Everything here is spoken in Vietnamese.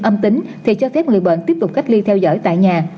âm tính thì cho phép người bệnh tiếp tục cách ly theo dõi tại nhà